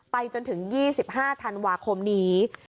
จนถึง๒๕ธันวาคมนี้